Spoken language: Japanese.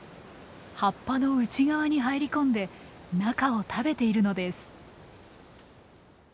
葉っぱの内側に入り込んで中を食べているのです。